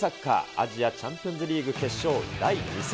アジアチャンピオンズリーグ決勝第２戦。